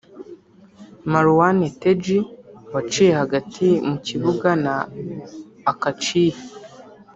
Marouane Tej waciye hagati mu kibuga na Akacihi